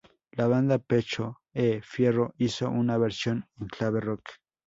La banda Pecho e' Fierro hizo una versión en clave rock.